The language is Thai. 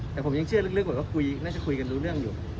แต่ผมยังเชื่อลึกบอกว่าน่าจะคุยกันรู้เรื่องอยู่